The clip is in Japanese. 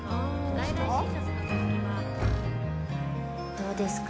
どうですか？